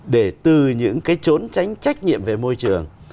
để từ những cái trốn tránh trách nhiệm về môi trường